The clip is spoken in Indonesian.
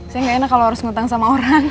saya nggak enak kalau harus ngutang sama orang